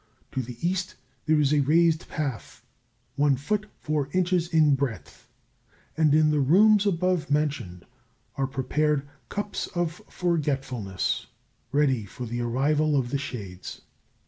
To the east there is a raised path, one foot four inches in breadth, and in the rooms above mentioned are prepared cups of forgetfulness ready for the arrival of the shades.